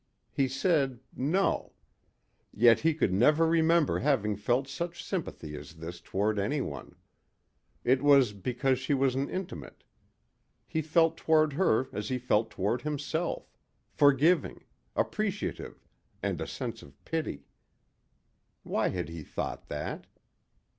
He said, "no." Yet he could never remember having felt such sympathy as this toward anyone. It was because she was an intimate. He felt toward her as he felt toward himself forgiving, appreciative, and a sense of pity. Why had he thought that?